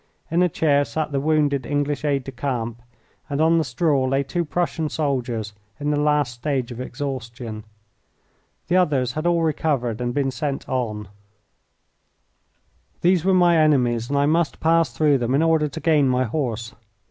In a chair sat the wounded English aide de camp, and on the straw lay two Prussian soldiers in the last stage of exhaustion. The others had all recovered and been sent on. These were my enemies, and I must pass through them in order to gain my horse.